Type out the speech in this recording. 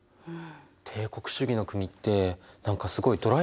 帝国主義の国って何かすごいドライな関係だったんだね。